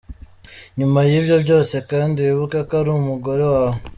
nyuma yibyo byose kandi wibuke ko ari umugore wawe.